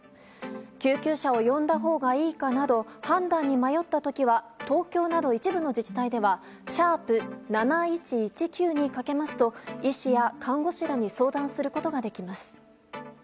救急車を呼んだほうがいいかなど判断に迷った時は東京など一部の自治体では「＃７１１９」にかけますと医師や看護師らに相談することができます。